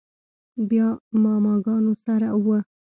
بيا ماما ګانو سره و.